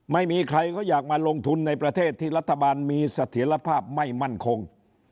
ไม่มีใครเขาอยากมาลงทุนในประเทศที่รัฐบาลมีเสถียรภาพไม่มั่นคง